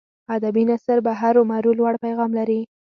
ادبي نثر به هرو مرو لوړ پیغام لري.